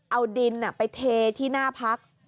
เอาดินไปเทที่หน้าพัก